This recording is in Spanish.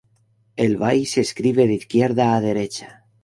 El vai se escribe de izquierda a derecha.